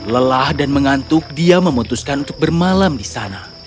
lelah dan mengantuk dia memutuskan untuk bermalam di sana